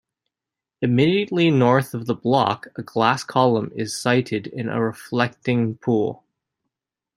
Immediately north of the block, a glass column is sited in a reflecting pool.